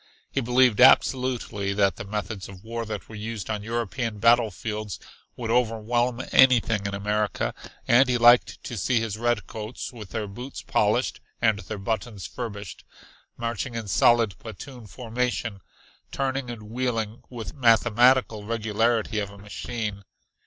He believed absolutely that the methods of war that were used on European battlefields would overwhelm anything in America, and he liked to see his redcoats with their boots polished and their buttons furbished, marching in solid platoon formation, turning and wheeling with the mathematical regularity of a machine.